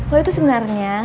lo itu sebenarnya